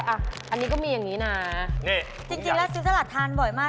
จริงแล้วซื้อสลัดทานบ่อยมาก